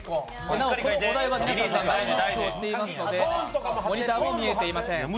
なお、このお題は、皆さんは目隠ししていますのでモニターも見えていません。